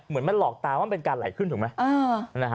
เหมือนมันหลอกตาว่ามันเป็นการไหลขึ้นถูกไหม